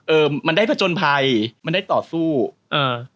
เออมันได้ผจญภัยมันได้ต่อสู้เอ่อ